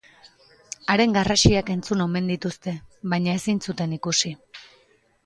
Haren garrasiak entzun omen dituzte, baina ezin zuten ikusi.